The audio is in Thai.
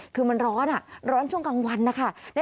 คือมันร้อนร้อนช่วงกลางวันนะคะ